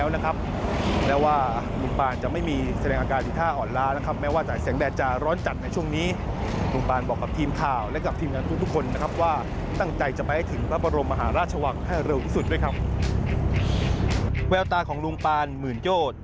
แววตาของลุงปานหมื่นโยชน์